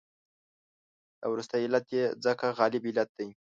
دا وروستی علت یې ځکه غالب علت دی.